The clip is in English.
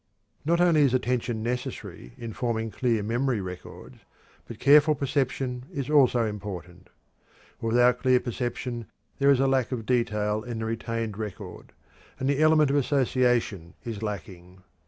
Not only is attention necessary in forming clear memory records, but careful perception is also important. Without clear perception there is a lack of detail in the retained record, and the element of association is lacking.